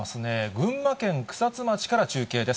群馬県草津町から中継です。